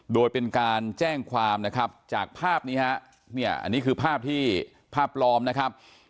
โดยเป็นการแจ้งความนะครับจากภาพนี้ฮะเนี่ยอันนี้คือภาพที่ภาพปลอมนะครับ